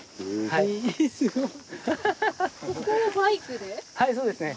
はいそうですね。